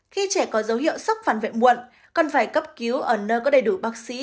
khi trẻ có dấu hiệu sốc phản vệ muộn cần phải cấp cứu ở nơi có đầy đủ bác sĩ